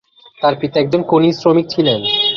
তাঁর পিতা একজন খনি শ্রমিক ছিলেন।